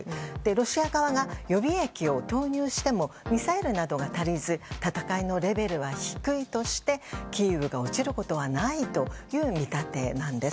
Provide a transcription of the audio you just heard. ロシア側が予備役を動員してもミサイルなどが足りず戦いのレベルは低いとしてキーウが落ちることはないという見立てなんです。